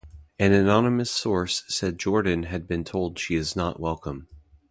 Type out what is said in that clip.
An anonymous source said Jordan has been told she is not welcome.